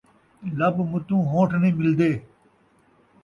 لب مُتوں ہون٘ٹھ نئیں ملدے